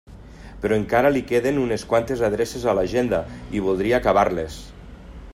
Però encara li queden unes quantes adreces a l'agenda i voldria acabar-les.